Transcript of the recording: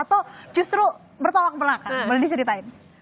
atau justru bertolak belakang boleh diceritain